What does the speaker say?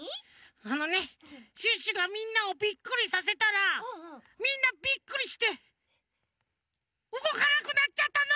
あのねシュッシュがみんなをビックリさせたらみんなビックリしてうごかなくなっちゃったの！